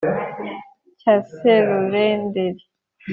cya serurenderi